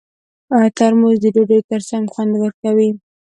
ترموز د ډوډۍ ترڅنګ خوند ورکوي.